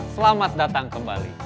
selamat datang kembali